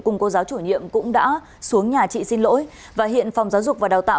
cùng cô giáo chủ nhiệm cũng đã xuống nhà chị xin lỗi và hiện phòng giáo dục và đào tạo